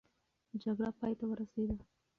جګړه پای ته ورسېده.